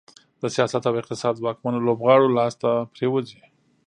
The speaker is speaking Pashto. د سیاست او اقتصاد ځواکمنو لوبغاړو لاس ته پرېوځي.